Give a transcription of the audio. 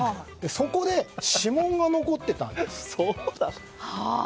そこで指紋が残っていたんですって。